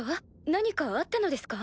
何かあったのですか？